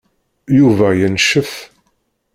Yuba yencef.